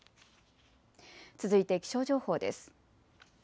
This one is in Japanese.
続いて気象情報です。